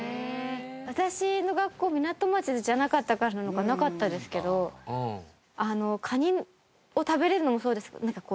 私の学校港町じゃなかったからなのかなかったですけどカニを食べれるのもそうですけど。